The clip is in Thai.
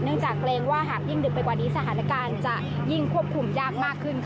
จากเกรงว่าหากยิ่งดึกไปกว่านี้สถานการณ์จะยิ่งควบคุมยากมากขึ้นค่ะ